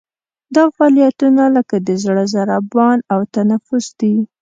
دا فعالیتونه لکه د زړه ضربان او تنفس دي.